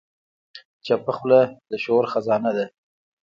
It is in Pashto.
چپه خوله، د شعور خزانه ده.